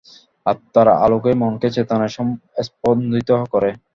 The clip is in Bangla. আত্মার আলোকই মনকে চেতনায় স্পন্দিত করে।